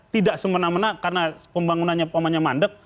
tidak semena mena karena pembangunannya mandek